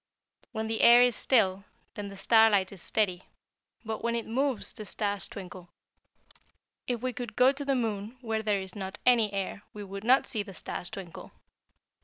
When the air is still then the starlight is steady, but when it moves the stars twinkle. If we could go to the moon, where there is not any air, we would not see the stars twinkle."